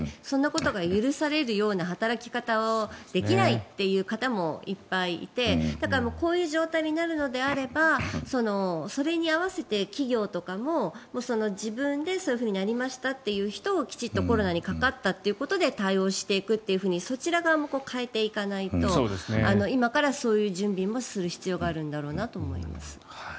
そんなことが許されるような働き方はできないという方もいっぱいいて、だからこういう状態になるのであればそれに併せて企業とかも自分でそういうふうになりましたという人をきちんとコロナにかかったということで対応していくというほうにそちら側も変えていかないと今からそういう準備もする必要があるんだろうなと思います。